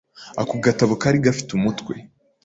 Ako gatabo kari gafite umutwe